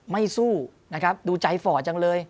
สู้นะครับดูใจฝ่อจังเลย